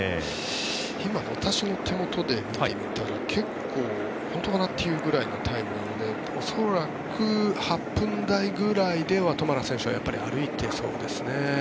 今、私の手元で見てみても結構、本当かなというぐらいのタイムなので恐らく、８分台ぐらいではトマラ選手は歩いてそうですね。